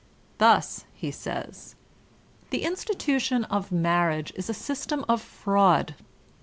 Thus he says: ''The institution of marriage is a system of fraud